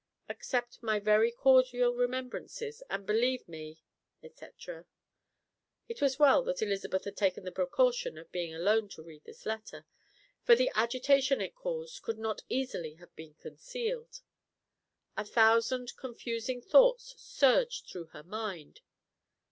Accept my very cordial remembrances, and believe me," etc. It was well that Elizabeth had taken the precaution of being alone to read this letter, for the agitation it caused could not easily have been concealed. A thousand confusing thoughts surged through her mind.